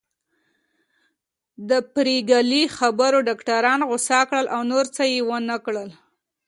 د پري ګلې خبرو ډاکټران غوسه کړل او نور څه يې ونکړل